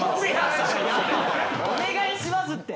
「お願いします」って。